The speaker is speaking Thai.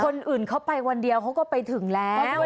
คนอื่นเขาไปวันเดียวเขาก็ไปถึงแล้ว